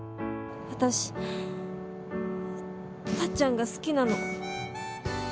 私タッちゃんが好きなの。